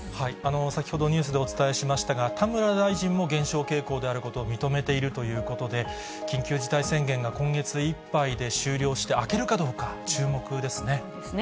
先ほど、ニュースでお伝えしましたが、田村大臣も減少傾向であることを認めているということで、緊急事態宣言が今月いっぱいで終了して、そうですね。